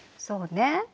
そうね。